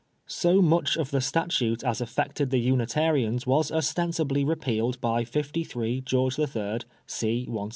So much of the statute as affected the Unitarians was ostensibly repealed by the 53 George IH., c. 160.